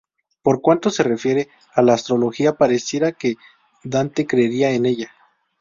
Por cuanto se refiere a la astrología parecería que Dante creería en ella.